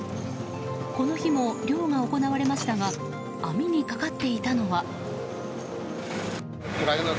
この日も漁が行われましたが網にかかっていたのは。